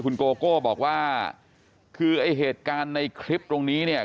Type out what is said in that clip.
คุณโกโก้บอกว่าเหตุการณ์ในคลิปตรงนี้